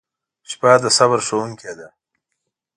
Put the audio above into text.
• شپه د صبر ښوونکې ده.